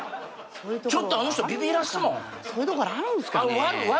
ちょっとあの人ビビらすもん。